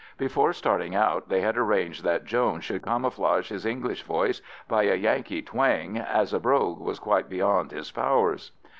Before starting out they had arranged that Jones should camouflage his English voice by a Yankee twang, as a brogue was quite beyond his powers.